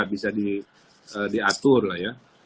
bisa diatur lah ya